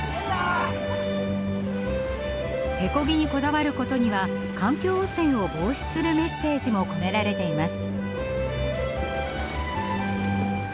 手漕ぎにこだわることには環境汚染を防止するメッセージも込められています。